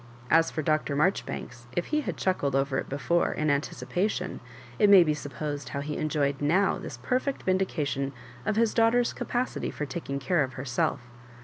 As for Dr. Marjoribanks, if he had chuckled over it before, in anticipation, it may be suppos ed how he enjoyed now this perfeot vindication of his daughter's capacity fbr takhig care of her self.